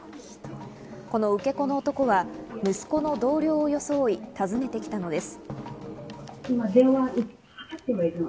この受け子の男は息子の同僚を装い訪ねてきたのです。